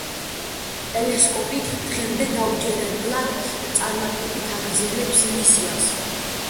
ტელესკოპი დღემდე დაუჯერებლად წარმატებით აგრძელებს მისიას.